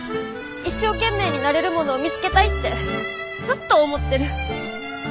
一生懸命になれるものを見つけたいってずっと思ってる。